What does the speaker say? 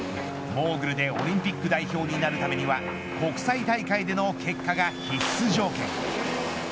モーグルでオリンピック代表になるためには国際大会での結果が必須条件。